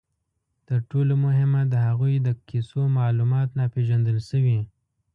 تر ټولو مهمه، د هغوی د کیسو معلومات ناپېژندل شوي.